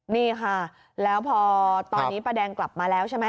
นี่ค่ะแล้วพอตอนนี้ป้าแดงกลับมาแล้วใช่ไหม